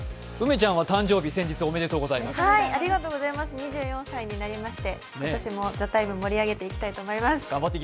２４歳になりまして今年も「ＴＨＥＴＩＭＥ，」盛り上げていきたいと思います。